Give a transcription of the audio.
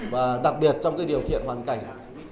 và đặc biệt trong điều kiện hoàn cảnh